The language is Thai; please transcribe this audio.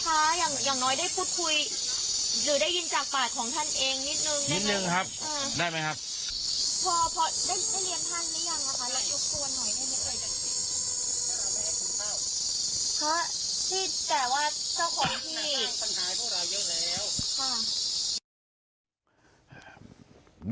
พอได้เรียนท่านไม่อย่างนะคะแล้วโปรดหน่อย